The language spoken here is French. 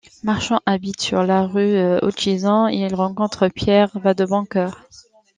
Marchand habite sur la rue Hutchison et il rencontre Pierre Vadeboncœur.